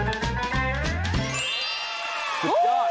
สุดยอด